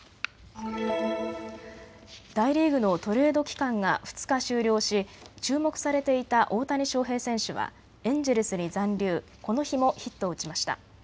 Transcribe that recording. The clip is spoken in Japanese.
大リーグのトレード期間が２日、終了し注目されていた大谷翔平選手はエンジェルスに残留、この日もヒットを打ちました。